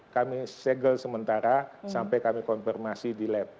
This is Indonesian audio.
kami segel sementara sampai kami konfirmasi di lab